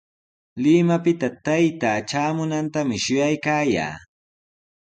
Limapita taytaa traamunantami shuyaykaayaa.